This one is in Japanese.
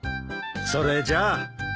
それじゃあ。